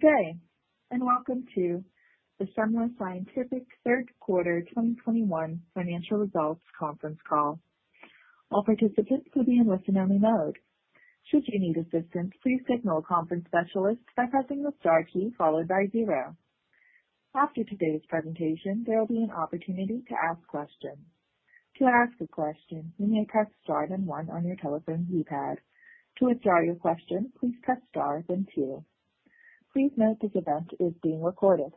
Good day, and welcome to the Semler Scientific third quarter 2021 financial results conference call. All participants will be in listen-only mode. Should you need assistance, please signal a conference specialist by pressing the star key followed by zero. After today's presentation, there will be an opportunity to ask questions. To ask a question, you may press star then one on your telephone keypad. To withdraw your question, please press star then two. Please note this event is being recorded.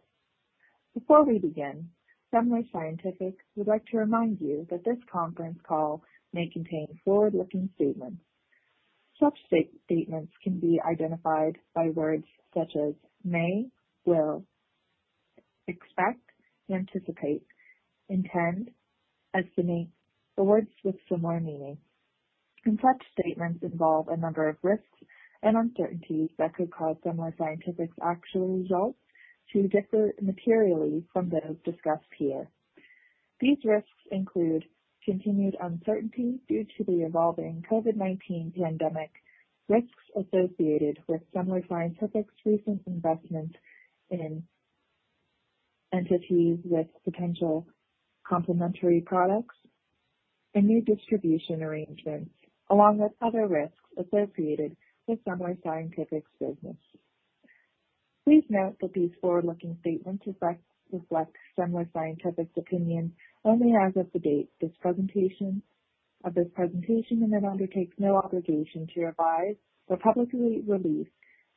Before we begin, Semler Scientific would like to remind you that this conference call may contain forward-looking statements. Such statements can be identified by words such as may, will, expect, anticipate, intend, estimate, or words with similar meaning. Such statements involve a number of risks and uncertainties that could cause Semler Scientific's actual results to differ materially from those discussed here. These risks include continued uncertainty due to the evolving COVID-19 pandemic, risks associated with Semler Scientific's recent investments in entities with potential complementary products and new distribution arrangements, along with other risks associated with Semler Scientific's business. Please note that these forward-looking statements reflect Semler Scientific's opinion only as of the date of this presentation and it undertakes no obligation to revise or publicly release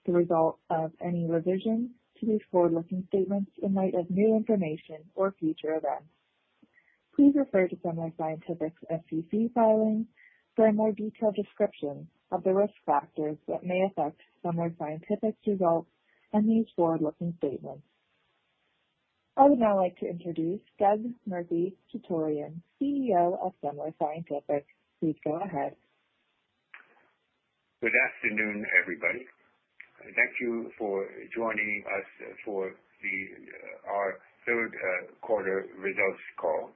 the results of any revision to these forward-looking statements in light of new information or future events. Please refer to Semler Scientific's SEC filings for a more detailed description of the risk factors that may affect Semler Scientific's results and these forward-looking statements. I would now like to introduce Doug Murphy-Chutorian, CEO of Semler Scientific. Please go ahead. Good afternoon, everybody. Thank you for joining us for our third quarter results call.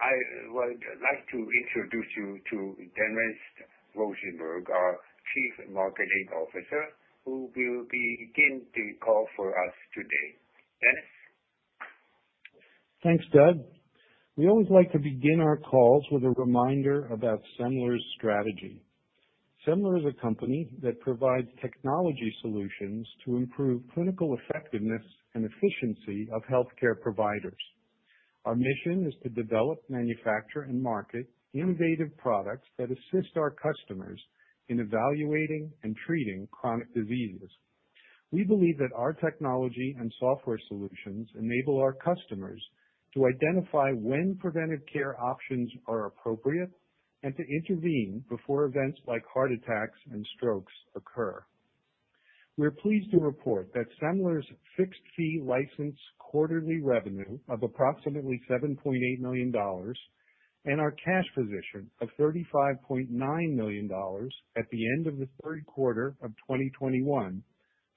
I would like to introduce you to Dennis Rosenberg, our Chief Marketing Officer, who will begin the call for us today. Dennis. Thanks, Doug. We always like to begin our calls with a reminder about Semler's strategy. Semler is a company that provides technology solutions to improve clinical effectiveness and efficiency of healthcare providers. Our mission is to develop, manufacture, and market innovative products that assist our customers in evaluating and treating chronic diseases. We believe that our technology and software solutions enable our customers to identify when preventive care options are appropriate and to intervene before events like heart attacks and strokes occur. We're pleased to report that Semler's fixed-fee license quarterly revenue of approximately $7.8 million and our cash position of $35.9 million at the end of the third quarter of 2021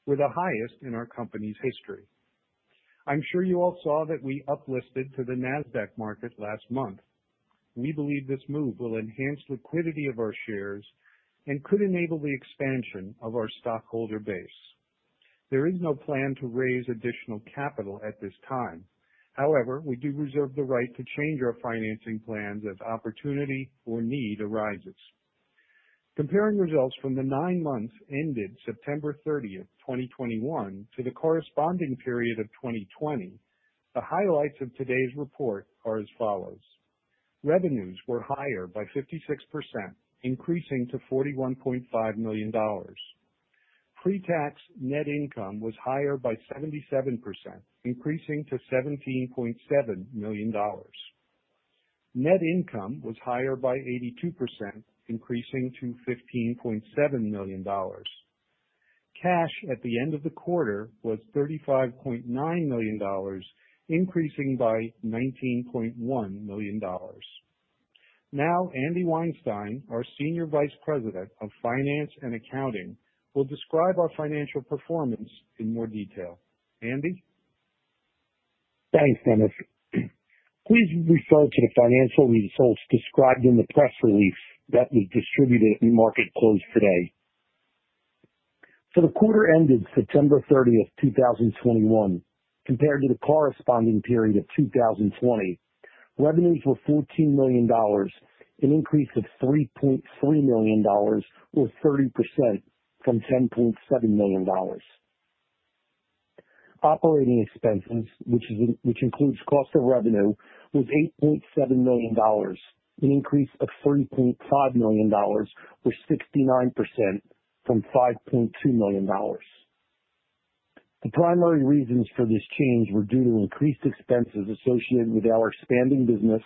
were the highest in our company's history. I'm sure you all saw that we uplisted to the Nasdaq market last month. We believe this move will enhance liquidity of our shares and could enable the expansion of our stockholder base. There is no plan to raise additional capital at this time. However, we do reserve the right to change our financing plans as opportunity or need arises. Comparing results from the nine months ended September 30, 2021 to the corresponding period of 2020, the highlights of today's report are as follows. Revenues were higher by 56%, increasing to $41.5 million. Pre-tax net income was higher by 77%, increasing to $17.7 million. Net income was higher by 82%, increasing to $15.7 million. Cash at the end of the quarter was $35.9 million, increasing by $19.1 million. Now Andy Weinstein, our Senior Vice President of Finance and Accounting, will describe our financial performance in more detail. Andy. Thanks, Dennis. Please refer to the financial results described in the press release that was distributed in market close today. For the quarter ended September 30, 2021, compared to the corresponding period of 2020, revenues were $14 million, an increase of $3.3 million or 30% from $10.7 million. Operating expenses, which includes cost of revenue, was $8.7 million, an increase of $3.5 million or 69% from $5.2 million. The primary reasons for this change were due to increased expenses associated with our expanding business,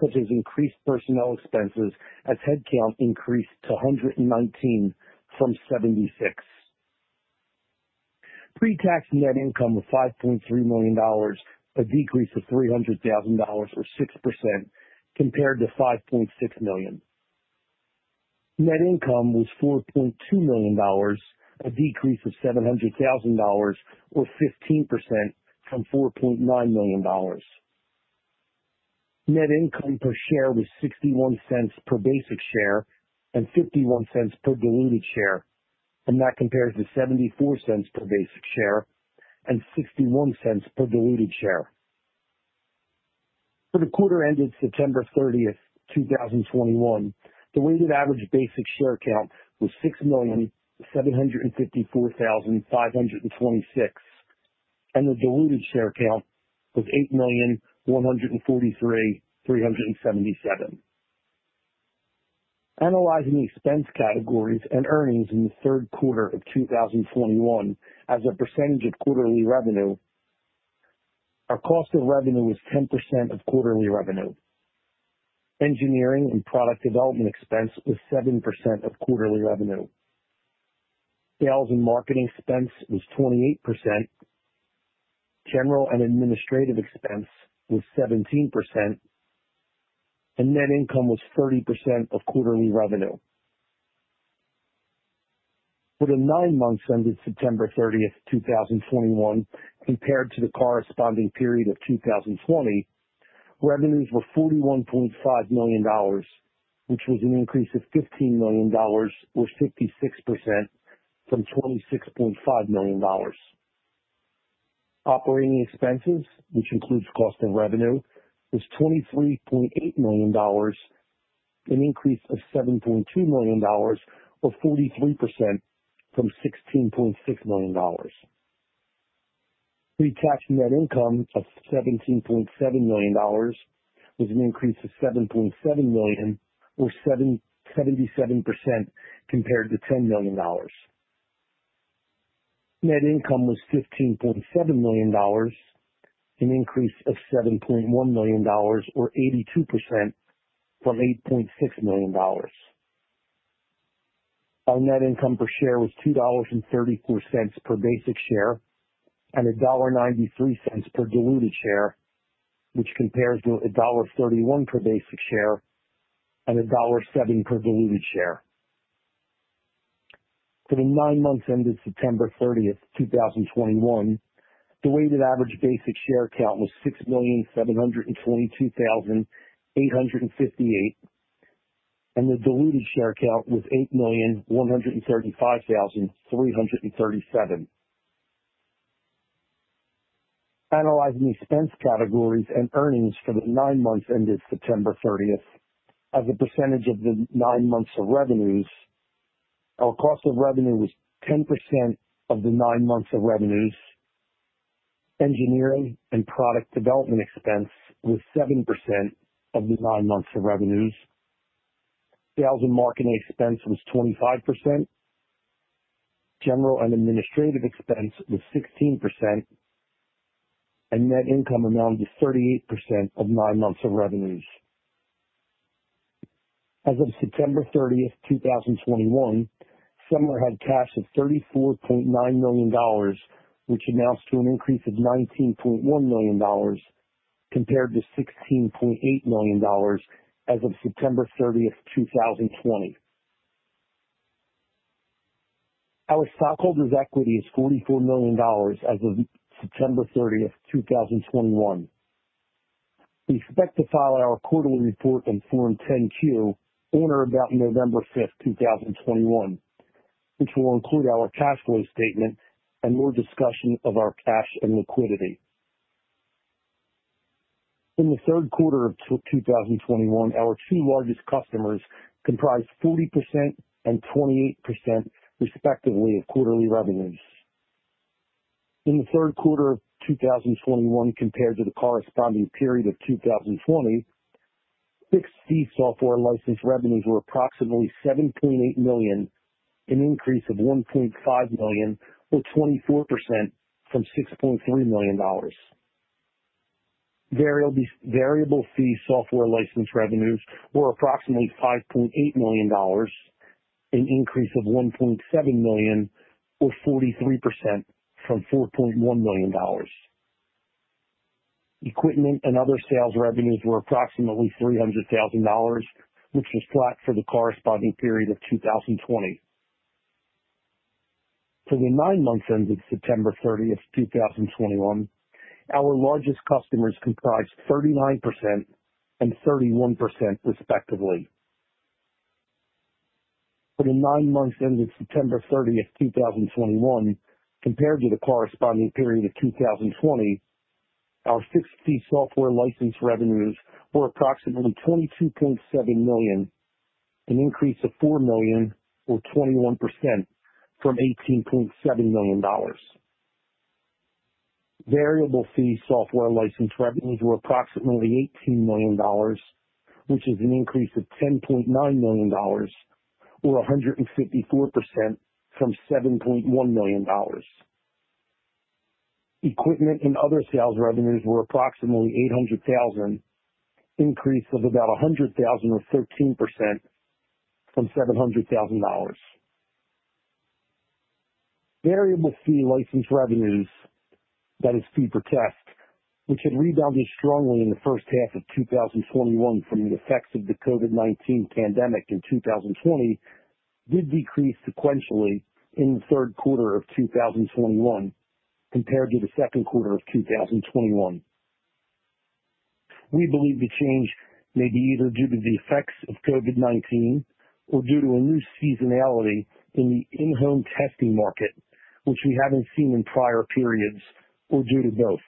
such as increased personnel expenses as headcount increased to 119 from 76. Pre-tax net income of $5.3 million, a decrease of $300,000 or 6% compared to $5.6 million. Net income was $4.2 million, a decrease of $700,000 or 15% from $4.9 million. Net income per share was $0.61 per basic share and $0.51 per diluted share, and that compares to $0.74 per basic share and $0.61 per diluted share. For the quarter ended September 30, 2021, the weighted average basic share count was 6,754,526, and the diluted share count was 8,143,377. Analyzing the expense categories and earnings in the third quarter of 2021 as a percentage of quarterly revenue. Our cost of revenue was 10% of quarterly revenue. Engineering and product development expense was 7% of quarterly revenue. Sales and marketing expense was 28%. General and administrative expense was 17%. Net income was 30% of quarterly revenue. For the nine months ended September 30, 2021, compared to the corresponding period of 2020, revenues were $41.5 million, which was an increase of $15 million or 56% from $26.5 million. Operating expenses, which includes cost of revenue, was $23.8 million, an increase of $7.2 million or 43% from $16.6 million. Pre-tax net income of $17.7 million was an increase of $7.7 million or 77% compared to $10 million. Net income was $15.7 million, an increase of $7.1 million or 82% from $8.6 million. Our net income per share was $2.34 per basic share and $1.93 per diluted share, which compares to $1.31 per basic share and $1.07 per diluted share. For the nine months ended September 30, 2021, the weighted average basic share count was 6,722,858, and the diluted share count was 8,135,337. Analyzing expense categories and earnings for the nine months ended September 30, 2021, as a percentage of the nine months of revenues. Our cost of revenue was 10% of the nine months of revenues. Engineering and product development expense was 7% of the nine months of revenues. Sales and marketing expense was 25%. General and administrative expense was 16%. Net income amounted to 38% of nine months of revenues. As of September 30, 2021, Semler had cash of $34.9 million, which amounts to an increase of $19.1 million compared to $16.8 million as of September 30, 2020. Our stockholders' equity is $44 million as of September 30, 2021. We expect to file our quarterly report on Form 10-Q on or about November 5, 2021, which will include our cash flow statement and more discussion of our cash and liquidity. In the third quarter of 2021, our two largest customers comprised 40% and 28% respectively of quarterly revenues. In the third quarter of 2021 compared to the corresponding period of 2020, fixed fee software license revenues were approximately $17.8 million, an increase of $1.5 million or 24% from $6.3 million. Variable fee software license revenues were approximately $5.8 million, an increase of $1.7 million or 43% from $4.1 million. Equipment and other sales revenues were approximately $300,000 which was flat for the corresponding period of 2020. For the nine months ended September 30, 2021, our largest customers comprised 39% and 31% respectively. For the nine months ended September 30, 2021, compared to the corresponding period of 2020, our fixed fee software license revenues were approximately $22.7 million, an increase of $4 million or 21% from $18.7 million. Variable fee software license revenues were approximately $18 million, which is an increase of $10.9 million or 154% from $7.1 million. Equipment and other sales revenues were approximately $800,000, increase of about $100,000 or 13% from $700,000. Variable fee license revenues, that is fee for test, which had rebounded strongly in the first half of 2021 from the effects of the COVID-19 pandemic in 2020, did decrease sequentially in the third quarter of 2021. Compared to the second quarter of 2021. We believe the change may be either due to the effects of COVID-19 or due to a new seasonality in the in-home testing market, which we haven't seen in prior periods, or due to both.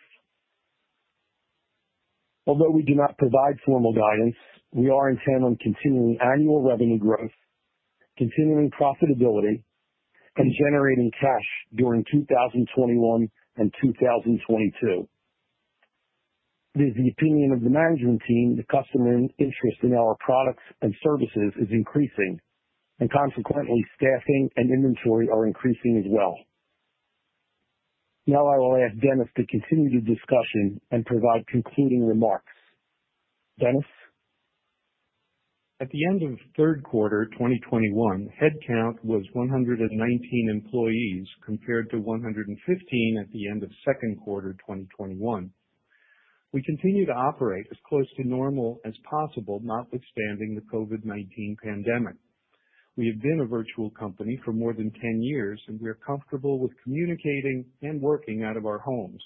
Although we do not provide formal guidance, we are intent on continuing annual revenue growth, continuing profitability, and generating cash during 2021 and 2022. It is the opinion of the management team that the customer interest in our products and services is increasing, and consequently, staffing and inventory are increasing as well. Now I will ask Dennis to continue the discussion and provide concluding remarks. Dennis? At the end of third quarter 2021, headcount was 119 employees compared to 115 at the end of second quarter 2021. We continue to operate as close to normal as possible, notwithstanding the COVID-19 pandemic. We have been a virtual company for more than 10 years, and we are comfortable with communicating and working out of our homes.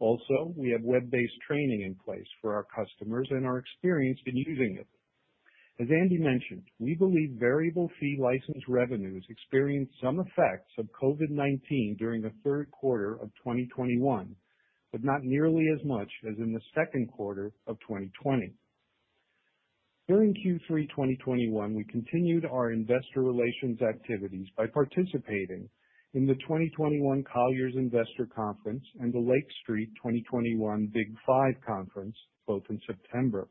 Also, we have web-based training in place for our customers and are experienced in using it. As Andy mentioned, we believe variable fee license revenues experienced some effects of COVID-19 during the third quarter of 2021, but not nearly as much as in the second quarter of 2020. During Q3 2021, we continued our investor relations activities by participating in the 2021 Colliers Investor Conference and the Lake Street 2021 BIG5 Conference, both in September.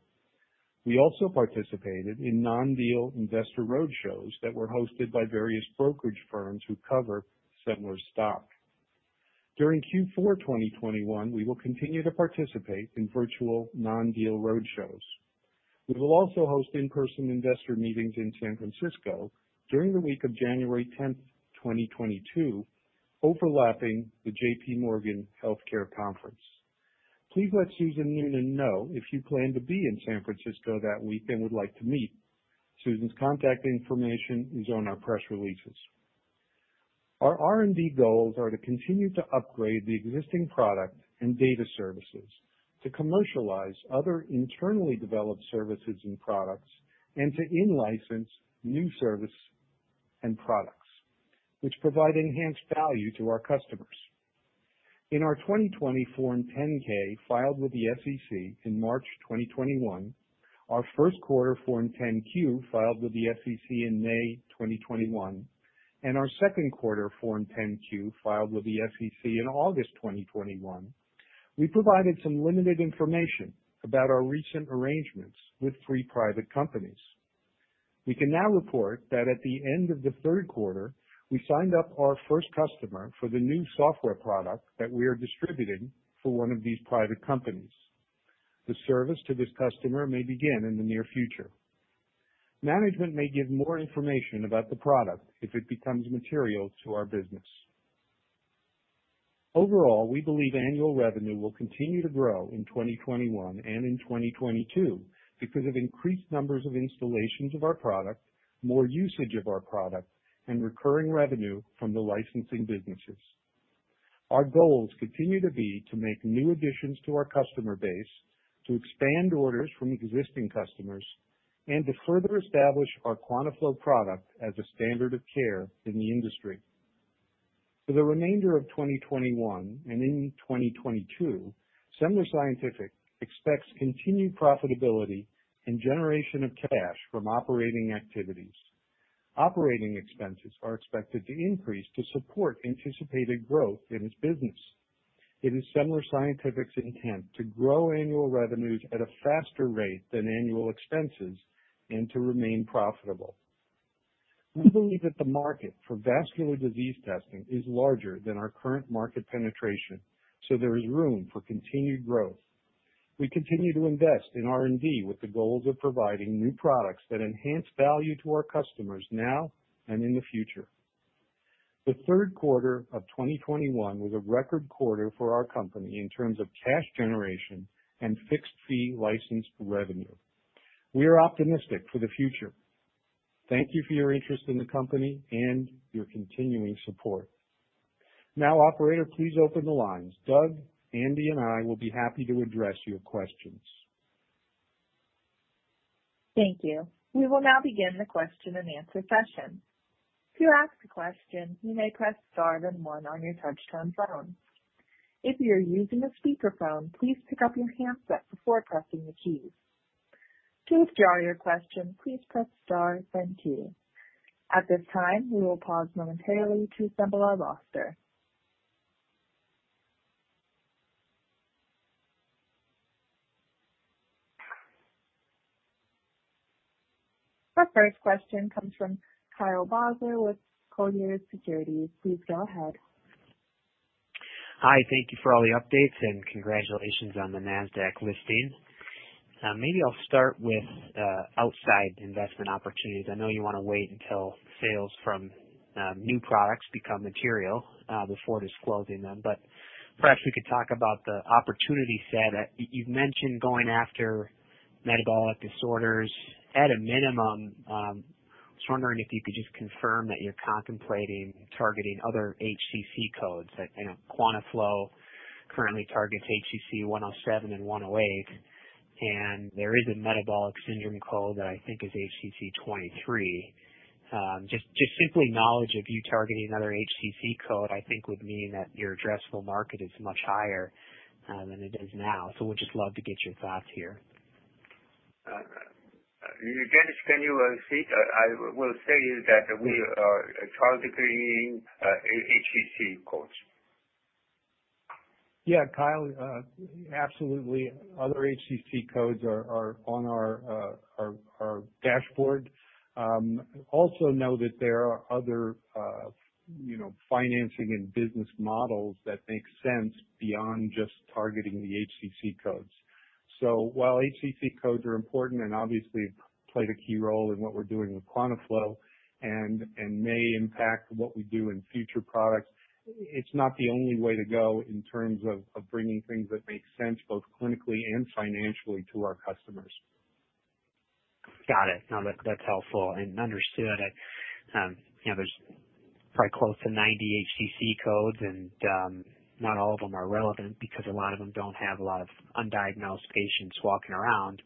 We also participated in non-deal investor roadshows that were hosted by various brokerage firms who cover Semler's stock. During Q4 2021, we will continue to participate in virtual non-deal roadshows. We will also host in-person investor meetings in San Francisco during the week of January 10, 2022, overlapping the JPMorgan Healthcare Conference. Please let Susan Noonan know if you plan to be in San Francisco that week and would like to meet. Susan's contact information is on our press releases. Our R&D goals are to continue to upgrade the existing product and data services, to commercialize other internally developed services and products, and to in-license new service and products which provide enhanced value to our customers. In our 2020 Form 10-K filed with the SEC in March 2021, our first quarter Form 10-Q filed with the SEC in May 2021, and our second quarter Form 10-Q filed with the SEC in August 2021, we provided some limited information about our recent arrangements with three private companies. We can now report that at the end of the third quarter, we signed up our first customer for the new software product that we are distributing for one of these private companies. The service to this customer may begin in the near future. Management may give more information about the product if it becomes material to our business. Overall, we believe annual revenue will continue to grow in 2021 and in 2022 because of increased numbers of installations of our product, more usage of our product, and recurring revenue from the licensing businesses. Our goals continue to be to make new additions to our customer base, to expand orders from existing customers, and to further establish our QuantaFlo product as a standard of care in the industry. For the remainder of 2021 and in 2022, Semler Scientific expects continued profitability and generation of cash from operating activities. Operating expenses are expected to increase to support anticipated growth in its business. It is Semler Scientific's intent to grow annual revenues at a faster rate than annual expenses and to remain profitable. We believe that the market for vascular disease testing is larger than our current market penetration, so there is room for continued growth. We continue to invest in R&D with the goals of providing new products that enhance value to our customers now and in the future. The third quarter of 2021 was a record quarter for our company in terms of cash generation and fixed-fee licensed revenue. We are optimistic for the future. Thank you for your interest in the company and your continuing support. Now operator, please open the lines. Doug, Andy, and I will be happy to address your questions. Thank you. We will now begin the question-and-answer session. To ask a question, you may press star then one on your touchtone phone. If you're using a speakerphone, please pick up your handset before pressing the keys. To withdraw your question, please press star then two. At this time, we will pause momentarily to assemble our roster. Our first question comes from Kyle Bauser with Colliers Securities. Please go ahead. Hi. Thank you for all the updates and congratulations on the Nasdaq listing. Maybe I'll start with outside investment opportunities. I know you wanna wait until sales from new products become material before disclosing them, but perhaps we could talk about the opportunity set. You've mentioned going after metabolic disorders at a minimum. Just wondering if you could just confirm that you're contemplating targeting other HCC codes that, you know, QuantaFlo currently targets HCC 107 and HCC 108, and there is a metabolic syndrome code that I think is HCC 23. Just simply knowledge of you targeting another HCC code I think would mean that your addressable market is much higher than it is now. We'll just love to get your thoughts here. Dennis, can you speak? I will say that we are targeting HCC codes. Yeah Kyle, absolutely, other HCC codes are on our dashboard. Also know that there are other, you know, financing and business models that make sense beyond just targeting the HCC codes. While HCC codes are important and obviously played a key role in what we're doing with QuantaFlo and may impact what we do in future products, it's not the only way to go in terms of bringing things that make sense both clinically and financially to our customers. Got it. No, that's helpful and understood. You know, there's probably close to 90 HCC codes and not all of them are relevant because a lot of them don't have a lot of undiagnosed patients walking around.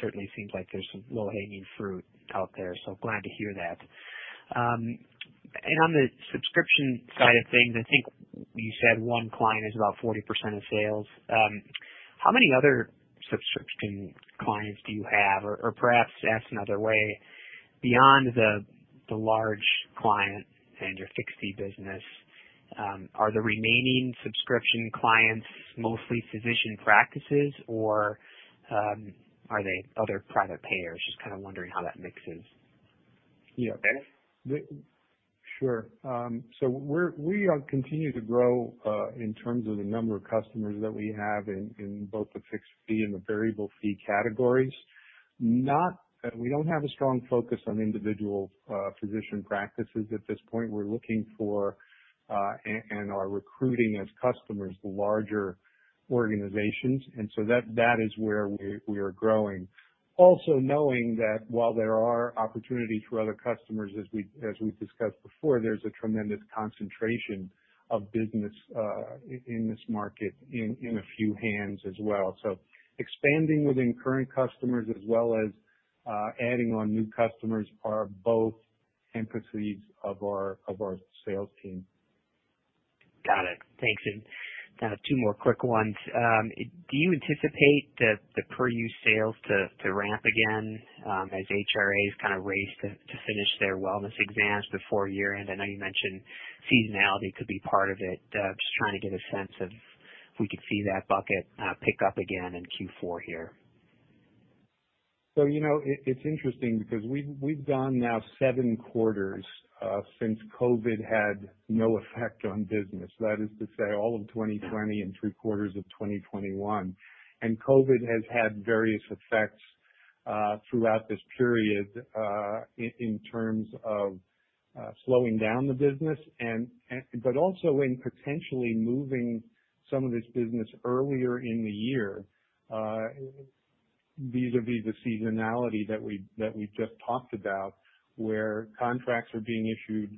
Certainly seems like there's some low-hanging fruit out there. Glad to hear that. On the subscription side of things, I think you said one client is about 40% of sales. How many other subscription clients do you have, or perhaps asked another way, beyond the large client and your fixed fee business, are the remaining subscription clients mostly physician practices or are they other private payers? Just kinda wondering how that mixes. Yeah. Dennis? Sure. We continue to grow in terms of the number of customers that we have in both the fixed fee and the variable fee categories. We don't have a strong focus on individual physician practices at this point. We're looking for and are recruiting as customers the larger organizations. That is where we are growing. Also knowing that while there are opportunities for other customers, as we've discussed before, there's a tremendous concentration of business in this market in a few hands as well. Expanding within current customers as well as adding on new customers are both emphases of our sales team. Got it, thanks. Two more quick ones. Do you anticipate the per-use sales to ramp again, as HRAs kinda race to finish their wellness exams before year-end? I know you mentioned seasonality could be part of it. Just trying to get a sense of if we could see that bucket pick up again in Q4 here. You know, it's interesting because we've gone now seven quarters since COVID had no effect on business. That is to say all of 2020 and three quarters of 2021. COVID has had various effects throughout this period in terms of slowing down the business and - but also in potentially moving some of this business earlier in the year vis-à-vis the seasonality that we just talked about, where contracts are being issued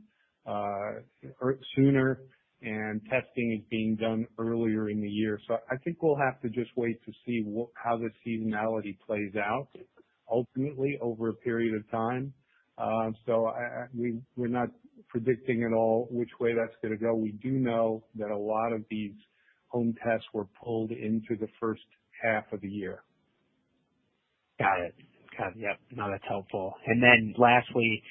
sooner and testing is being done earlier in the year. I think we'll have to just wait to see how the seasonality plays out ultimately over a period of time. We're not predicting at all which way that's gonna go. We do know that a lot of these home tests were pulled into the first half of the year. Got it. Yep, no that's helpful. Lastly,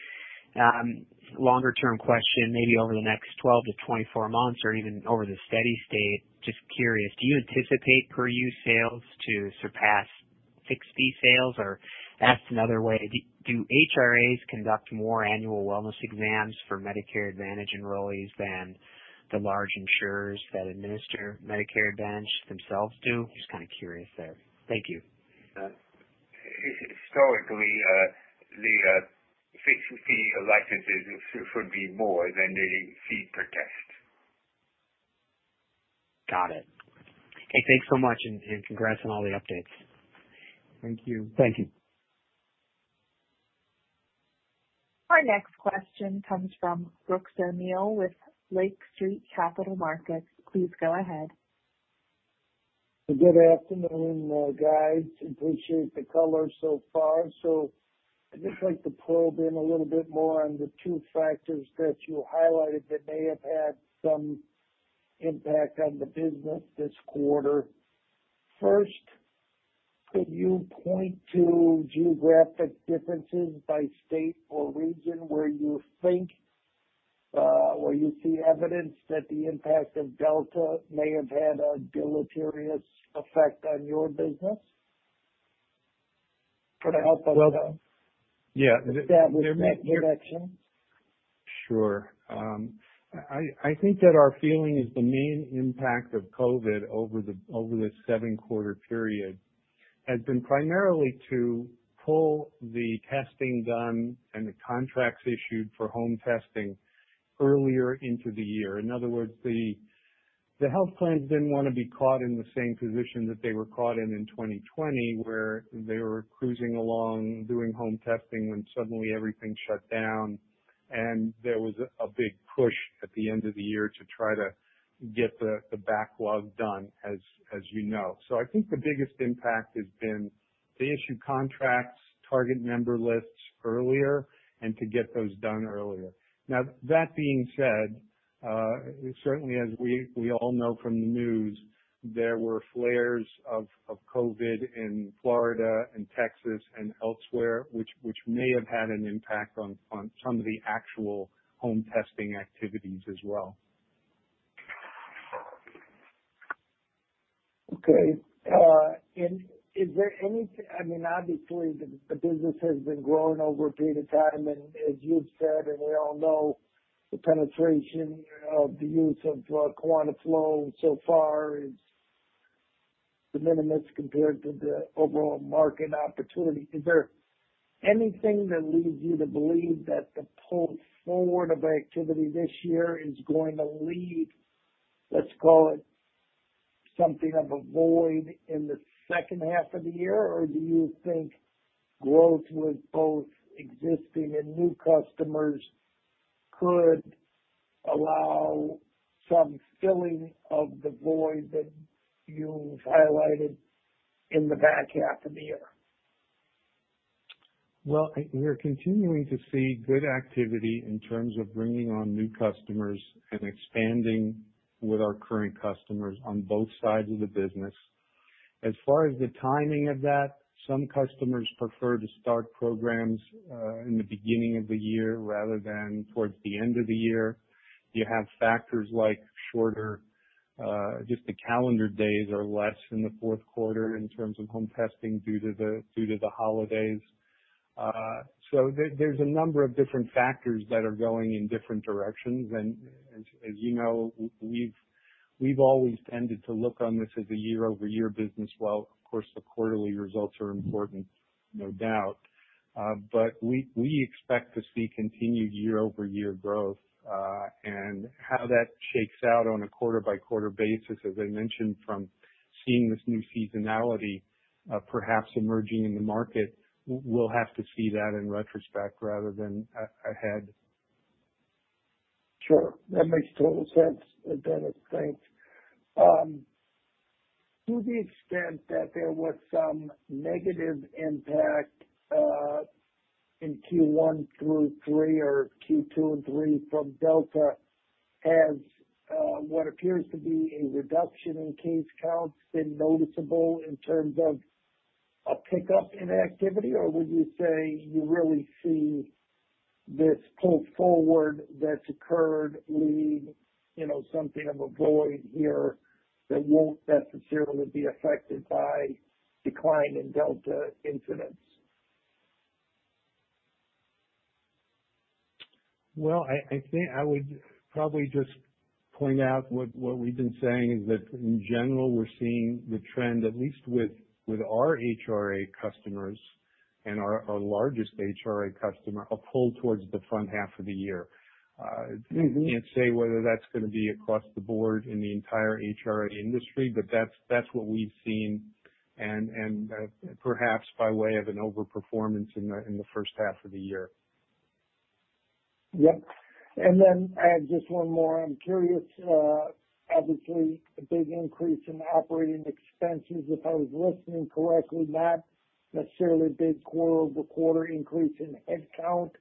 longer term question, maybe over the next 12-24 months or even over the steady state. Just curious, do you anticipate per use sales to surpass fixed fee sales, or asked another way, do HRAs conduct more annual wellness exams for Medicare Advantage enrollees than the large insurers that administer Medicare Advantage themselves do? Just kinda curious there. Thank you. Historically, the fixed fee licenses would be more than the fee per test. Got it. Okay, thanks so much and congrats on all the updates. Thank you. Thank you. Our next question comes from Brooks O'Neil with Lake Street Capital Markets. Please go ahead. Good afternoon, guys. Appreciate the color so far. I'd just like to probe in a little bit more on the two factors that you highlighted that may have had some impact on the business this quarter. First, could you point to geographic differences by state or region where you think, or you see evidence that the impact of Delta may have had a deleterious effect on your business? For that, I don't know - Well, yeah. Establish that direction? Sure. I think that our feeling is the main impact of COVID over this seven-quarter period has been primarily to pull the testing done and the contracts issued for home testing earlier into the year. In other words, the health plans didn't wanna be caught in the same position that they were caught in in 2020, where they were cruising along, doing home testing and suddenly everything shut down. There was a big push at the end of the year to try to get the backlog done, as you know. I think the biggest impact has been to issue contracts, target member lists earlier, and to get those done earlier. Now that being said, certainly as we all know from the news, there were flares of COVID in Florida and Texas and elsewhere, which may have had an impact on some of the actual home testing activities as well. Okay. Is there any - I mean, obviously the business has been growing over a period of time, and as you've said, and we all know, the penetration of the use of QuantaFlo so far is de minimis compared to the overall market opportunity. Is there anything that leads you to believe that the pull forward of activity this year is going to leave, let's call it, something of a void in the second half of the year, or do you think growth with both existing and new customers could allow some filling of the void that you've highlighted in the back half of the year? Well, we are continuing to see good activity in terms of bringing on new customers and expanding with our current customers on both sides of the business. As far as the timing of that, some customers prefer to start programs in the beginning of the year rather than towards the end of the year. You have factors like shorter, just the calendar days are less in the fourth quarter in terms of home testing due to the holidays. So there's a number of different factors that are going in different directions. As you know, we've always tended to look on this as a year-over-year business, while of course the quarterly results are important, no doubt. We expect to see continued year-over-year growth, and how that shakes out on a quarter-by-quarter basis, as I mentioned, from seeing this new seasonality, perhaps emerging in the market. We'll have to see that in retrospect rather than ahead. Sure. That makes total sense, Dennis. Thanks. To the extent that there was some negative impact in Q1 through Q3 or Q2 and Q3 from Delta, has what appears to be a reduction in case counts been noticeable in terms of a pickup in activity? Or would you say you really see this pull forward that's occurred leaves you know something of a void here that won't necessarily be affected by decline in Delta incidents? Well, I think I would probably just point out what we've been saying, is that in general, we're seeing the trend at least with our HRA customers and our largest HRA customer, a pull towards the front half of the year. We can't say whether that's gonna be across the board in the entire HRA industry, but that's what we've seen and perhaps by way of an overperformance in the first half of the year. Yeah. I have just one more. I'm curious, obviously a big increase in operating expenses, if I was listening correctly, not necessarily a big quarter-over-quarter increase in headcount.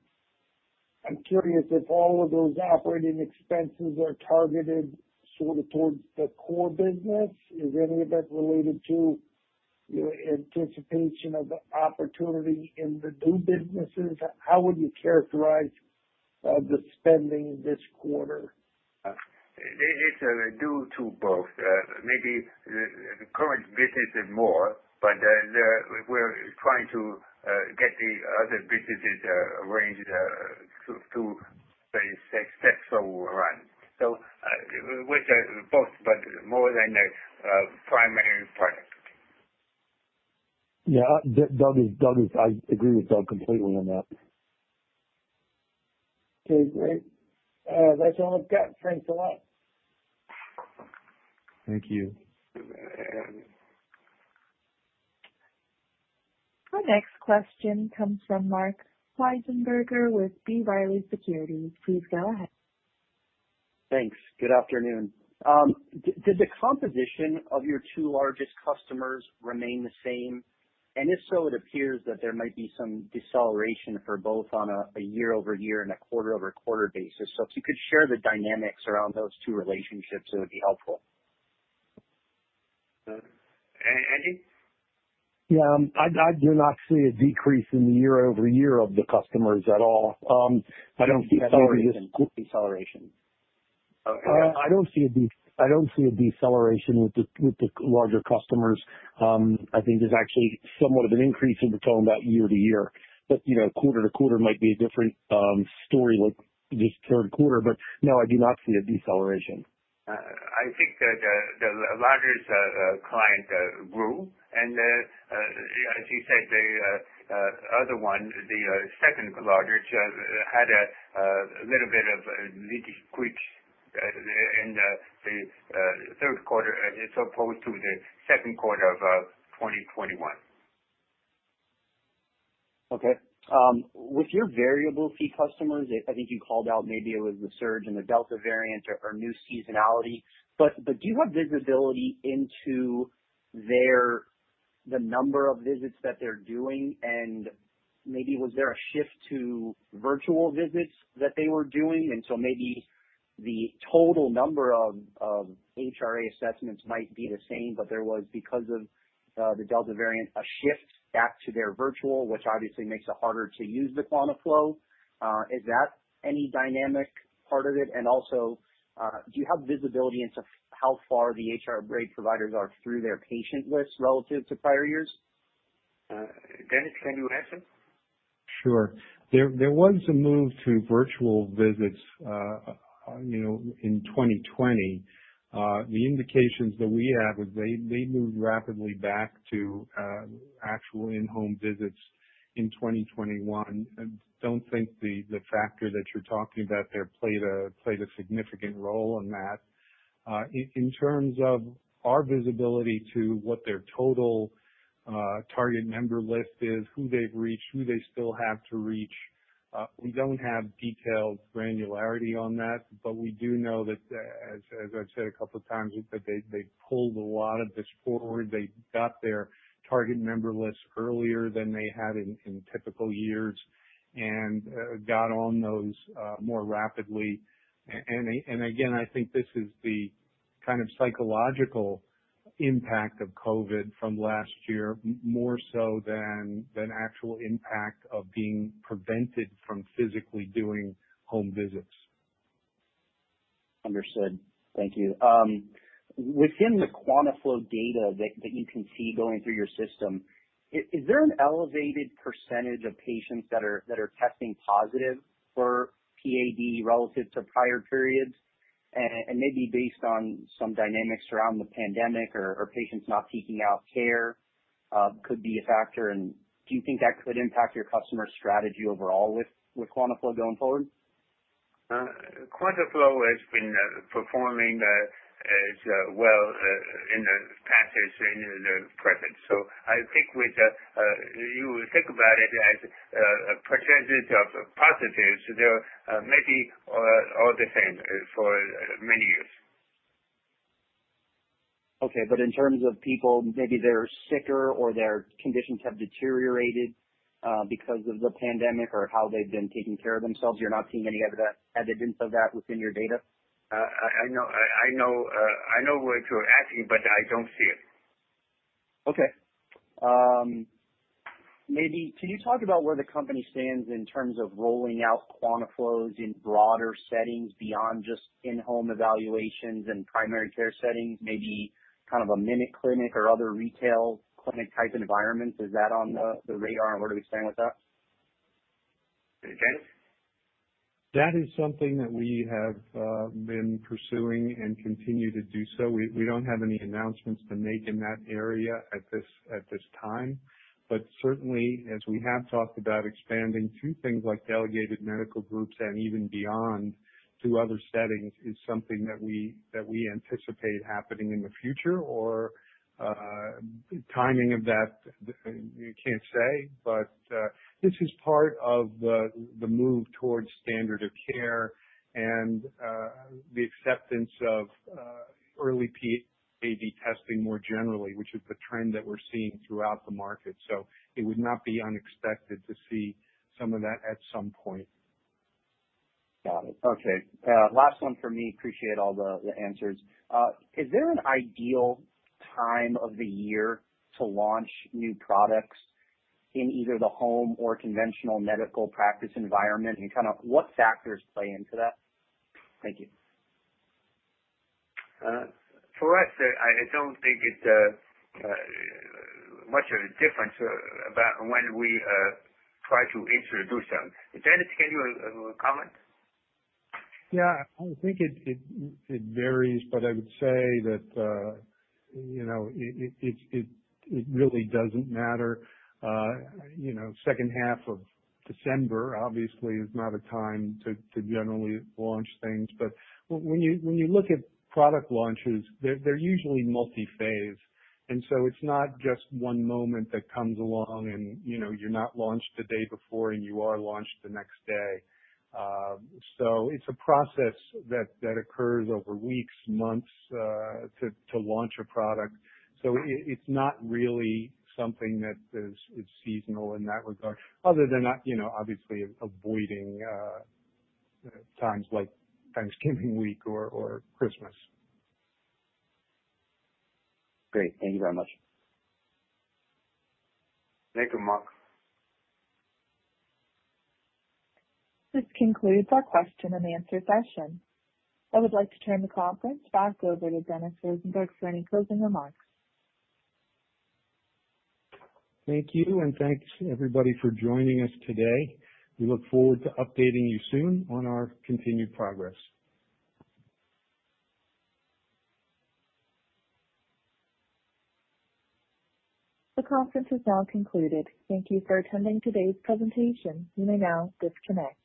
I'm curious if all of those operating expenses are targeted sort of towards the core business. Is any of that related to your anticipation of opportunity in the new businesses? How would you characterize the spending this quarter? It's due to both. Maybe the current business is more, but we're trying to get the other businesses arranged to say success will run. Which are both, but more than the primary product. Yeah. I agree with Doug completely on that. Okay, great. That's all I've got. Thanks a lot. Thank you. Our next question comes from Marc Wiesenberger with B. Riley Securities. Please go ahead. Thanks. Good afternoon. Did the composition of your two largest customers remain the same, and if so, it appears that there might be some deceleration for both on a year-over-year and a quarter-over-quarter basis. If you could share the dynamics around those two relationships, it would be helpful. Andy? Yeah. I do not see a decrease in the year-over-year of the customers at all. A deceleration? I don't see a deceleration with the larger customers. I think there's actually somewhat of an increase if we're talking about year-to-year. You know, quarter-to-quarter might be a different story with this third quarter. No, I do not see a deceleration. I think that the largest client grew and as you said, the other one, the second largest, had a little bit of a decrease in the third quarter as opposed to the second quarter of 2021. Okay. With your variable fee customers, I think you called out maybe it was the surge in the Delta variant or new seasonality, but do you have visibility into the number of visits that they're doing? Maybe was there a shift to virtual visits that they were doing, and so maybe the total number of HRA assessments might be the same, but there was, because of the Delta variant, a shift back to their virtual which obviously makes it harder to use the QuantaFlo. Is that any dynamic part of it? Also, do you have visibility into how far the HRA providers are through their patient list relative to prior years? Dennis, can you answer? Sure. There was a move to virtual visits in 2020. The indications that we have is they moved rapidly back to actual in-home visits in 2021. I don't think the factor that you're talking about there played a significant role in that. In terms of our visibility to what their total target member list is, who they've reached, who they still have to reach, we don't have detailed granularity on that, but we do know that as I've said a couple of times, that they pulled a lot of this forward. They got their target member list earlier than they had in typical years and got on those more rapidly. Again, I think this is the kind of psychological impact of COVID from last year, more so than the actual impact of being prevented from physically doing home visits. Understood, thank you. Within the QuantaFlo data that you can see going through your system, is there an elevated percentage of patients that are testing positive for PAD relative to prior periods? Maybe based on some dynamics around the pandemic or patients not seeking out care, could be a factor. Do you think that could impact your customer strategy overall with QuantaFlo going forward? QuantaFlo has been performing as well in the past as in the present. I think when you think about it as a percentage of positives, they're maybe all the same for many years. Okay. In terms of people, maybe they're sicker or their conditions have deteriorated, because of the pandemic or how they've been taking care of themselves, you're not seeing any evidence of that within your data? I know what you're asking, but I don't see it. Okay. Maybe can you talk about where the company stands in terms of rolling out QuantaFlo in broader settings beyond just in-home evaluations and primary care settings, maybe kind of a minute clinic or other retail clinic type environments? Is that on the radar, and where do we stand with that? Dennis? That is something that we have been pursuing and continue to do so. We don't have any announcements to make in that area at this time. Certainly, as we have talked about expanding to things like delegated medical groups and even beyond to other settings, is something that we anticipate happening in the future, or the timing of that, we can't say. This is part of the move towards standard of care and the acceptance of early PAD testing more generally, which is the trend that we're seeing throughout the market. It would not be unexpected to see some of that at some point. Got it, okay. Last one from me. Appreciate all the answers. Is there an ideal time of the year to launch new products in either the home or conventional medical practice environment, and kind of what factors play into that? Thank you. For us, I don't think it's much of a difference about when we try to introduce them. Dennis, can you comment? Yeah. I think it varies, but I would say that, you know, it really doesn't matter. You know, second half of December obviously is not a time to generally launch things. When you look at product launches, they're usually multi-phase, and so it's not just one moment that comes along and you know, you're not launched the day before and you are launched the next day. It's a process that occurs over weeks, months, to launch a product. It's not really something that is seasonal in that regard other than not, you know, obviously avoiding times like Thanksgiving week or Christmas. Great. Thank you very much. Thank you, Mark. This concludes our question and answer session. I would like to turn the conference back over to Dennis Rosenberg for any closing remarks. Thank you, and thanks everybody for joining us today. We look forward to updating you soon on our continued progress. The conference is now concluded. Thank you for attending today's presentation. You may now disconnect.